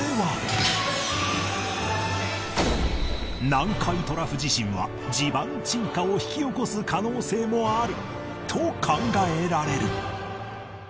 南海トラフ地震は地盤沈下を引き起こす可能性もあると考えられる